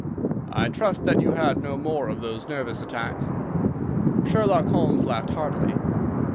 "I trust that you had no more of those nervous attacks." Sherlock Holmes laughed heartily.